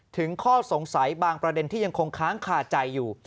ข้อสงสัยบางประเด็นที่ยังคงค้างคาใจอยู่